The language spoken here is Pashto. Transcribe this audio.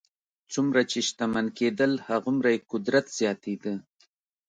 څومره چې شتمن کېدل هغومره یې قدرت زیاتېده.